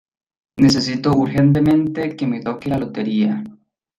Necesito urgentemente que me toque la lotería.